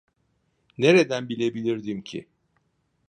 Nereden bilebilirdim ki?